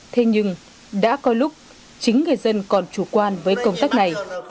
thế nhưng đã có lúc chính người dân còn chủ quan với công tác này